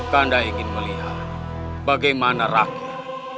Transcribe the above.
anda ingin melihat bagaimana rakyat